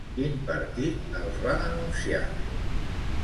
Quin partit els va denunciar?